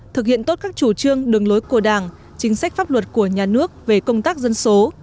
thực hiện tốt các chủ trương đường lối của đảng chính sách pháp luật của nhà nước về công tác dân số